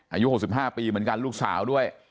อายุ๖๕ปีเหมือนกันลูกสาวด้วย